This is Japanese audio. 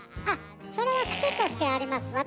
あっそれは癖としてあります。